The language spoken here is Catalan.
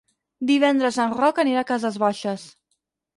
Divendres en Roc anirà a Cases Baixes.